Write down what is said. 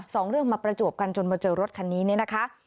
สองเรื่องมาประจวบกันจนมาเจอรถคันนี้เนี่ยนะคะ